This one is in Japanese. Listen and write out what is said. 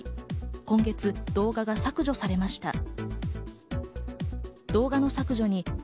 今月、動画が削除されました。